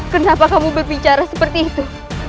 kenapa kamu berbicara seperti itu